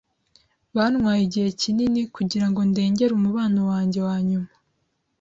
Byantwaye igihe kinini kugirango ndengere umubano wanjye wanyuma.